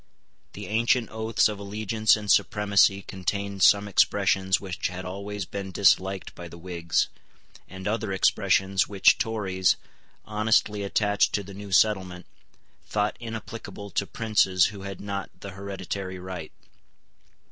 The ancient oaths of allegiance and supremacy contained some expressions which had always been disliked by the Whigs, and other expressions which Tories, honestly attached to the new settlement, thought inapplicable to princes who had not the hereditary right.